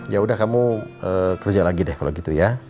yaudah kamu kerja lagi deh kalau gitu ya